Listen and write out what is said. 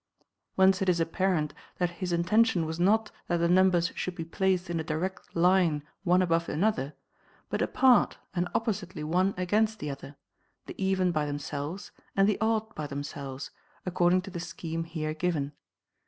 Whence it is apparent, that his in tention was not that the numbers should be placed in a direct line one above another, but apart and oppositely one against the other, the even by themselves, and the odd by themselves, according to the scheme here given.